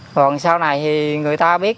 rồi sau này thì người ta biết